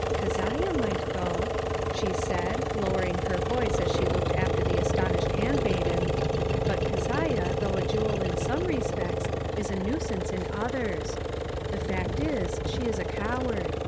" Keziah might go," she said, lowering her voice as she looked after the astonished handmaiden ;" but Keziah, though a jewel in some respects, is a nuisance in others. The fact is, she is a coward.